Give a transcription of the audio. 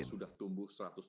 kita sudah tumbuh seratus persen